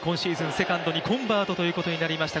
セカンドにコンバートということになりました